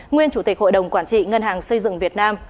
nguyên chủ tịch hội đồng quản trị ngân hàng xây dựng việt nam